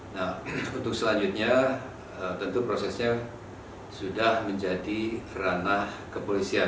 nah untuk selanjutnya tentu prosesnya sudah menjadi ranah kepolisian